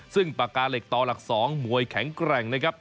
ซึ่งปากกาเหล็กต่อหลัก๒มวยแข็งแกร่งนะครับ